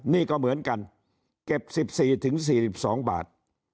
นี่ก็เหมือนกันเก็บ๑๔๔๒บาท